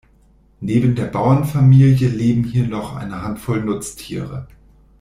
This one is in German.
Neben der Bauernfamilie leben hier noch eine Handvoll Nutztiere.